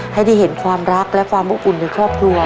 ให้ดูเห็นความรักและความอุ้งอุณหยุดในครอบครัว